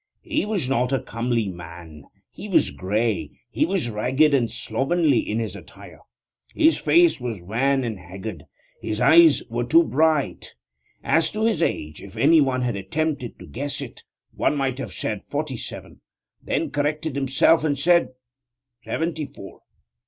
He was not a comely man. He was grey; he was ragged and slovenly in his attire; his face was wan and haggard; his eyes were too bright. As to his age, if one had attempted to guess it, one might have said forty seven, then corrected himself and said seventy four.